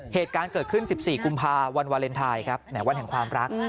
เหตุการณ์เกิดขึ้น๑๔กุมภาวันวาเลนไทยครับแหมวันแห่งความรัก